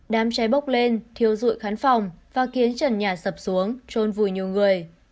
đam cháy bốc lên thiêu rụi khán phòng và khiến trần nhà sập xuống trôn vùi nhiều người